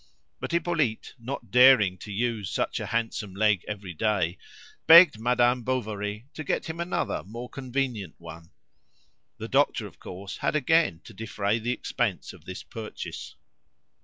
But Hippolyte, not daring to use such a handsome leg every day, begged Madame Bovary to get him another more convenient one. The doctor, of course, had again to defray the expense of this purchase.